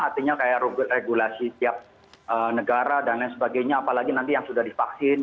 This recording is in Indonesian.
artinya kayak regulasi tiap negara dan lain sebagainya apalagi nanti yang sudah divaksin